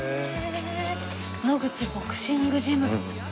「野口ボクシングジム」